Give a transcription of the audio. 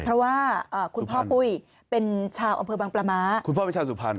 เพราะว่าคุณพ่อปุ้ยเป็นชาวอำเภอบางปลาม้าคุณพ่อเป็นชาวสุพรรณ